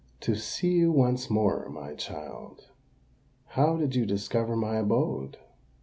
"To see you once more, my child." "How did you discover my abode?"